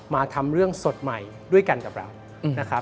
มาทำเรื่องสดใหม่ด้วยกันกับเรานะครับ